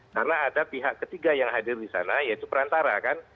karena ada pihak ketiga yang hadir di sana yaitu perantara kan